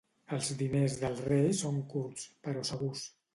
Els diners del rei són curts, però segurs.